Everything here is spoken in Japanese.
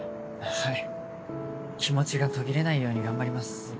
はい気持ちが途切れないように頑張ります。